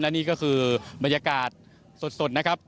และนี่ก็คือบรรยากาศสดนะครับ